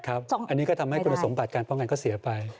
อันนี้ก็ทำให้คุณสมบัติการป้องกันก็เสียไป